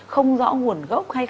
không rõ nguồn gốc hay không